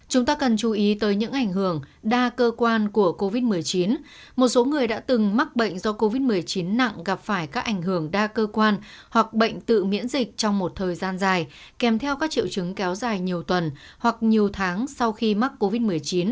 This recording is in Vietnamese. chúng ta cần chú ý tới những ảnh hưởng đa cơ quan của covid một mươi chín một số người đã từng mắc bệnh do covid một mươi chín nặng gặp phải các ảnh hưởng đa cơ quan hoặc bệnh tự miễn dịch trong một thời gian dài kèm theo các triệu chứng kéo dài nhiều tuần hoặc nhiều tháng sau khi mắc covid một mươi chín